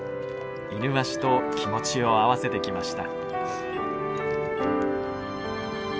イヌワシと気持ちを合わせてきました。